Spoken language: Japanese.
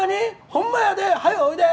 ほんまやで、はよおいで！